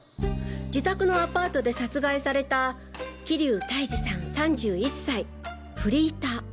自宅のアパートで殺害された桐生泰二さん３１歳フリーター。